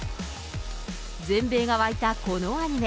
全米が沸いたこのアニメ。